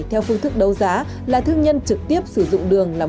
theo phương thức đấu giá là thương nhân trực tiếp sử dụng đường